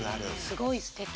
すごいすてき。